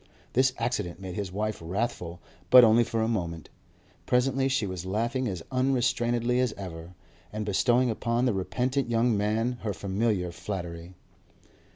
This accident made his wife wrathful, but only for a moment; presently she was laughing as unrestrainedly as ever, and bestowing upon the repentant young man her familiar flattery.